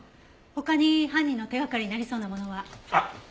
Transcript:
他に犯人の手がかりになりそうなものは？あっ！